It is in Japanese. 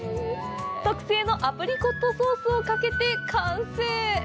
特製のアプリコットソースをかけて完成！